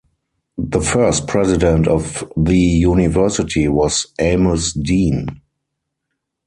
The first president of the university was Amos Dean.